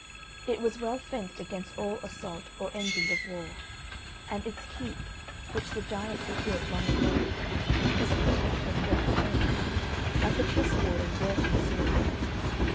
It was well fenced against all assault or engines of war, and its keep, which the giants had built long ago, was compact of great stones, like a chess board of vert and azure.